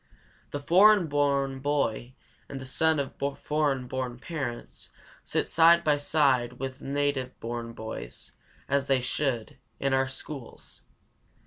The foreign born boy and the son of foreign born parents sit side by side with native born boys (as they should) in our schools.